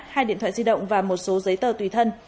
hai điện thoại di động và một số giấy tờ tùy thân